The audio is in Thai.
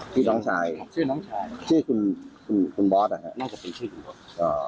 ชื่อน้องชายชื่อน้องชายชื่อคุณบอสเหรอคะน่าจะเป็นชื่อคุณบอส